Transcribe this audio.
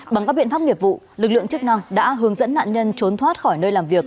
bằng các biện pháp nghiệp vụ lực lượng chức năng đã hướng dẫn nạn nhân trốn thoát khỏi nơi làm việc